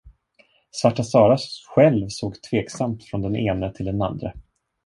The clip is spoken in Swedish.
Svarta Sara själv såg tveksamt från den ene till den andre.